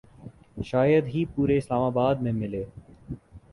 شاید ہی پورے اسلام آباد میں ملے